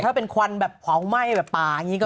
ถ้าเป็นควันแบบเผาไหม้แบบป่าอย่างนี้ก็